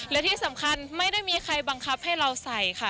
และที่สำคัญไม่ได้มีใครบังคับให้เราใส่ค่ะ